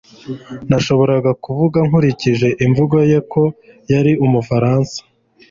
Nashoboraga kuvuga nkurikije imvugo ye ko yari Umufaransa